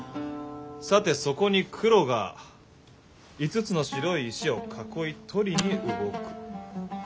さてそこに黒が５つの白い石を囲い取りに動く。